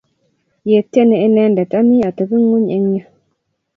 Yetyeni inendet ami atepng'unyi eng' yu.